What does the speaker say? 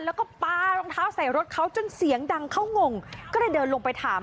แล้วก็ปลารองเท้าใส่รถเขาจนเสียงดังเขางงก็เลยเดินลงไปถาม